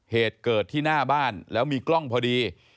เหตุเกิดที่หน้าบ้านแล้วมีกล้องพอดี